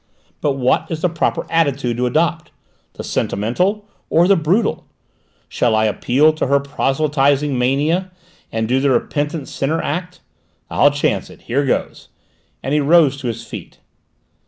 But what is the proper attitude to adopt? The sentimental? Or the brutal? Or shall I appeal to her proselytising mania, and do the repentant sinner act? I'll chance it; here goes!" and he rose to his feet.